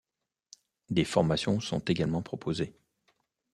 Des formations sont également proposées.